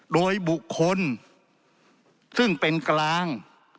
โดยบุคคลซึ่งเป็นกลาง